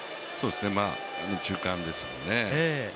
右中間ですよね